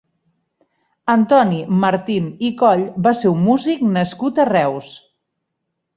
Antoni Martín i Coll va ser un músic nascut a Reus.